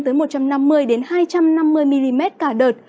tới một trăm năm mươi hai trăm năm mươi mm cả đợt